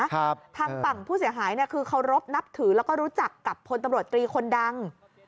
ทางฝั่งผู้เสียหายเนี่ยคือเคารพนับถือแล้วก็รู้จักกับพลตำรวจตรีคนดัง